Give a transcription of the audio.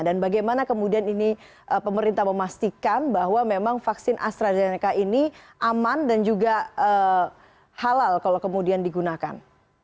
dan bagaimana kemudian ini pemerintah memastikan bahwa memang vaksin astrazeneca ini aman dan juga halal kalau kemudian digunakan